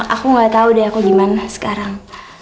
aku gak tau deh aku gimana sekarang